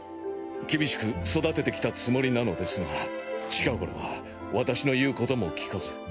厳しく育ててきたつもりなのですが近ごろは私の言うことも聞かず。